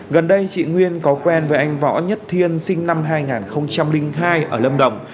gần đây chị nguyên có quen với anh võ nhất thiên sinh năm hai nghìn hai ở lâm đồng